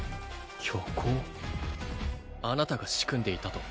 虚構あなたが仕組んでいたと？